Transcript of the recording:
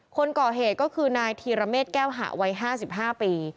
คนก่อเหตุก็คือนายธีรเมษแก้วหะวัย๕๕ปี